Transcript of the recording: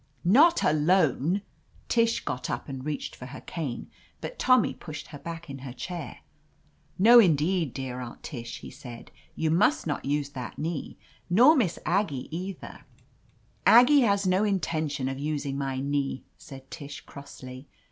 "Not alone !" Tish got up and reached for her cane, but Tommy pushed her back in her chair. "No, indeed, dear Aunt Tish," he said. "You must not use that knee. Nor Miss Ag gie either —" "Aggie has no intention of using my knee," said Tish crossly.